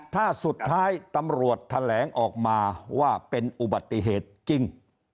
ถ้าสุดท้ายตำรวจแถลงออกมาว่าเป็นอุบัติเหตุจริง